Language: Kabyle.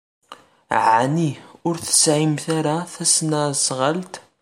Ɛni ur tesɛimt ara tasnasɣalt?